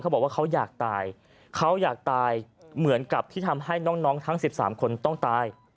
บอกว่าเขาอยากตายเขาอยากตายเหมือนกับที่ทำให้น้องทั้ง๑๓คนต้องตาย